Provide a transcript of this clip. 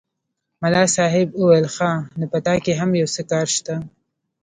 ملا صاحب وویل ښه! نو په تا کې هم یو څه کار شته.